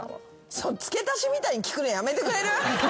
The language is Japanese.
付け足しみたいに聞くのやめてくれる？